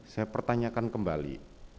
saya pertanyakan kembali